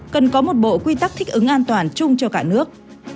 cần có một bộ quy tắc thích ứng an toàn chung cho cả nước